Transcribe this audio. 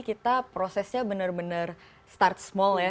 kita prosesnya benar benar start small ya